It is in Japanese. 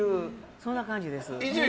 そんな感じです。